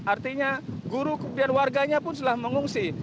artinya guru kemudian warganya pun sudah mengungsi